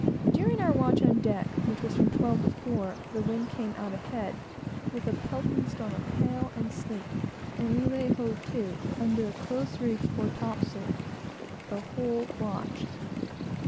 During our watch on deck, which was from twelve to four, the wind came out ahead, with a pelting storm of hail and sleet, and we lay hove to, under a close reefed main topsail, the whole watch.